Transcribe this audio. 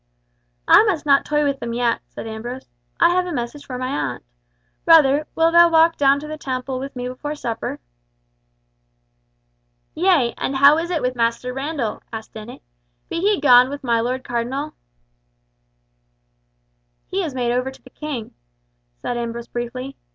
"I must not toy with them yet," said Ambrose, "I have a message for my aunt. Brother, wilt thou walk down to the Temple with me before supper?" "Yea, and how is it with Master Randall?" asked Dennet. "Be he gone with my Lord Cardinal?" "He is made over to the King," said Ambrose briefly.